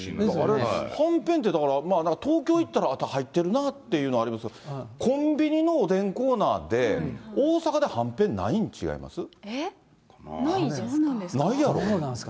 はんぺんって、だから東京行ったら入ってるなというのがありますけど、コンビニのおでんコーナーで、大阪ではんぺん、ないんないんですか？